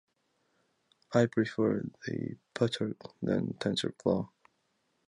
I prefer the Pytorch than Tensorflow.